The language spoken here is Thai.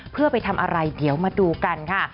เพื่อให้ทำอะไรมันมาดูกันค่ะ